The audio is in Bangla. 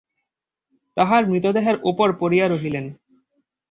তাঁহার মৃতদেহের উপর পড়িয়া রহিলেন।